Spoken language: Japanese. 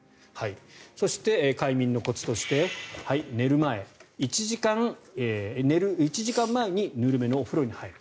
そして、快眠のコツとして寝る１時間前にぬるめのお風呂に入る。